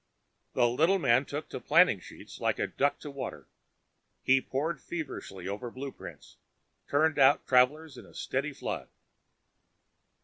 The little man took to planning sheets like a duck to water. He pored feverishly over blueprints, turning out travelers in a steady flood.